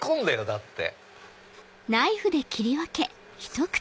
だって。